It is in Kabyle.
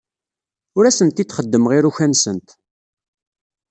Ur asent-d-xeddmeɣ iruka-nsent.